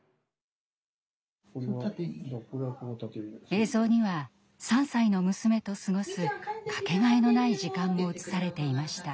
映像には３歳の娘と過ごすかけがえのない時間も映されていました。